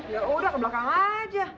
ya udah ke belakang aja